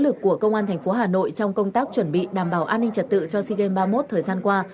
lực của công an thành phố hà nội trong công tác chuẩn bị đảm bảo an ninh trật tự cho sigem ba mươi một thời gian qua